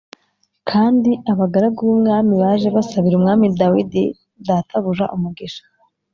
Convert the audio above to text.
Kandi abagaragu b’umwami baje basabira Umwami Dawidi databuja umugisha